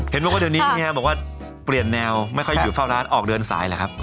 เห็นบอกว่าเดี๋ยวนี้เฮียบอกว่าเปลี่ยนแนวไม่ค่อยอยู่เฝ้าร้านออกเดินสายแหละครับ